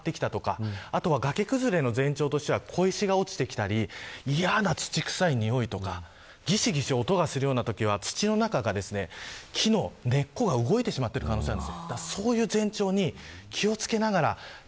水の色が急激に変わったとか崖崩れの前兆としては小石が落ちてきたり嫌な土臭いにおいとかギシギシ音がするようなときは土の中が木の根が動いている可能性があります。